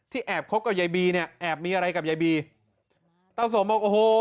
แอบคบกับยายบีเนี่ยแอบมีอะไรกับยายบีตาสมบอกโอ้โห